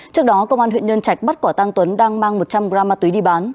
trước đó công an huyện nhân trạch bắt quả tăng tuấn đang mang một trăm linh gram ma túy đi bán